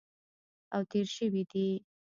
او تېر شوي دي